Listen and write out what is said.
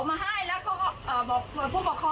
กระเป๋าน้องด้วยค่ะ